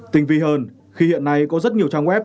tinh vi hơn khi hiện nay có rất nhiều trang web